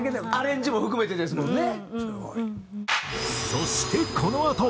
そしてこのあと。